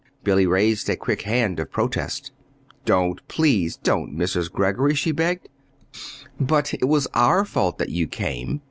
Billy raised a quick hand of protest. "Don't, please don't, Mrs. Greggory," she begged. "But it was our fault that you came.